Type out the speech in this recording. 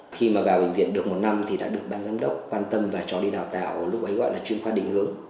khi mà vào bệnh viện được một năm thì đã được ban giám đốc quan tâm và cho đi đào tạo lúc ấy gọi là chuyên khoa định hướng